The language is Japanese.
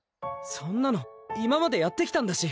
そんなの今までやってきたんだし！